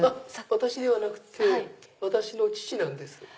私ではなくて私の父なんです。